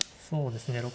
そうですね